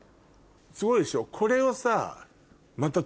すごいでしょこれをさまた。